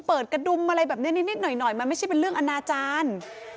กระดุมอะไรแบบนี้นิดหน่อยมันไม่ใช่เป็นเรื่องอนาจารย์